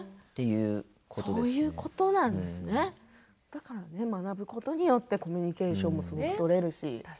だから、学ぶことによってコミュニケーションもとれるし。